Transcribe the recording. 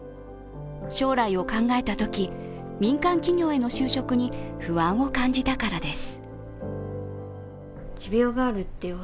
将来を考えたとき、民間企業への就職に不安を感じたからです。